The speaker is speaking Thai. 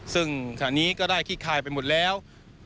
ซึ่งขณะนี้ก็ได้ขี้คายไปหมดแล้ว